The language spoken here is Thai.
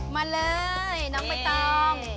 มาเลยน้องใบตอง